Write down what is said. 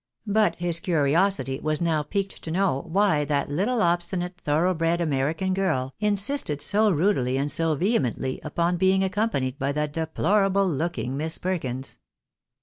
But his curiosity was now piqued to know why that little obsti nate, thorough bred American girl, insisted so rudely and so vehe mently, upon being accompanied by that deplorable looking Miss Perkins.